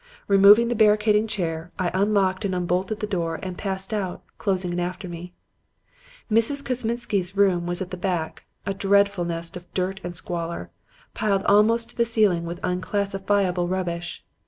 Removing the barricading chair, I unlocked and unbolted the door and passed out, closing it after me. "Mrs. Kosminsky's room was at the back; a dreadful nest of dirt and squalor, piled almost to the ceiling with unclassifiable rubbish.